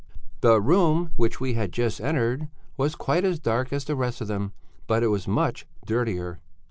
"The room which we had just entered was quite as dark as the rest of them, but it was much dirtier.